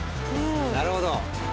なるほど。